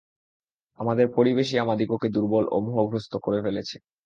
আমাদের পরিবেশই আমাদিগকে দুর্বল ও মোহগ্রস্থ করে ফেলেছে।